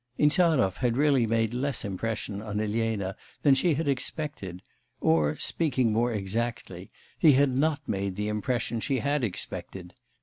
Insarov had really made less impression on Elena than she had expected, or, speaking more exactly, he had not made the impression she had expected.